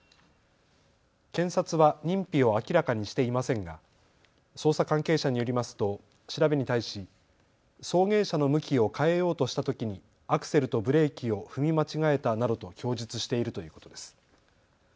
検察は認否を明らかにしていませんが捜査関係者によりますと調べに対し送迎車の向きを変えようとしたときにアクセルとブレーキを踏み間違えたなどと供述しているということです。